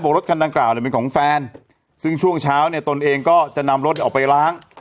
รถคันดังกล่าวเนี่ยเป็นของแฟนซึ่งช่วงเช้าเนี่ยตนเองก็จะนำรถออกไปล้าง